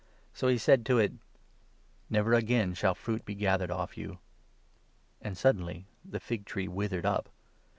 So he said to it :" Never again shall fruit be gathered off you." And suddenly the fig tree withered up.